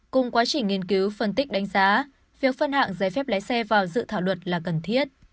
cùng quá trình nghiên cứu phân tích đánh giá việc phân hạng giấy phép lái xe vào dự thảo luật là cần thiết